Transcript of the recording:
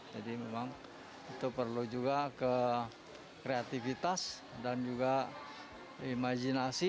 jadi memang itu perlu juga ke kreativitas dan juga imajinasi